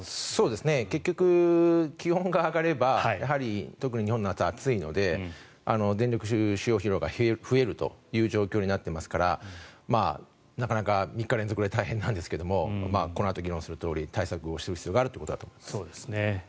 結局、気温が上がれば特に日本の夏は暑いので電力消費量が増えるという状況になっていますからなかなか３日連続で大変なんですけどもこのあと議論するとおり対策する必要があると思います。